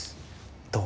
どう？